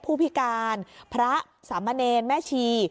ผู้พิการพระสามเณรแม่ชี